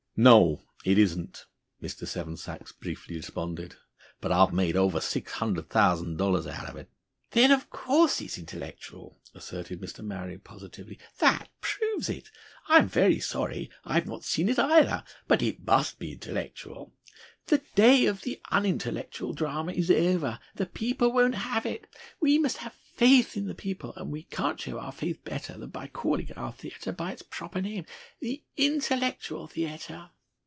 "No, it isn't," Mr. Seven Sachs briefly responded. "But I've made over six hundred thousand dollars out of it." "Then of course it's intellectual!" asserted Mr. Marrier positively. "That proves it. I'm very sorry I've not seen it either; but it must be intellectual. The day of the unintellectual drama is over. The people won't have it. We must have faith in the people, and we can't show our faith better than by calling our theatre by its proper name 'The Intellectual Theatre!